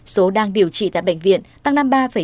số đang điều trị tại bệnh viện tăng năm mươi ba